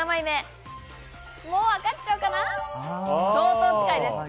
もうわかっちゃうかな？